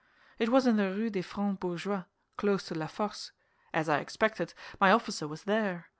It was in the Rue des France Bourgeois, close to La Force. As I expected, my officer was there.